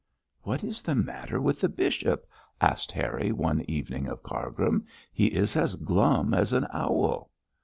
'What is the matter with the bishop?' asked Harry one evening of Cargrim. 'He is as glum as an owl.'